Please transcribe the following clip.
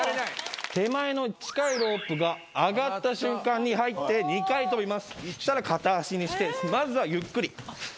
手前の近いロープが上がった瞬間に入って２回跳びますそしたら片足にしてまずはゆっくり。